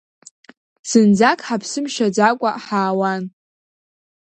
Зынӡак ҳаԥсы мшьаӡакәа, ҳаауан.